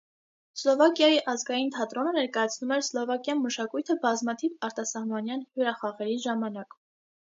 Սլովակիայի ազգային թատրոնը ներկայացնում էր սլովակյան մշակույթը բազմաթիվ արտասահմանյան հյուրախաղերի ժամանակ։